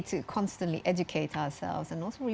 dan juga mengingatkan diri kita sendiri